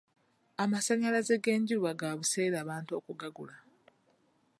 Amasannyalaze g'enjuba ga buseere abantu okugagula.